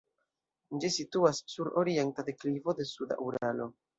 Ĝi situas sur orienta deklivo de suda Uralo.